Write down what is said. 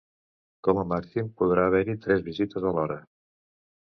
Com a màxim podrà haver-hi tres visites alhora.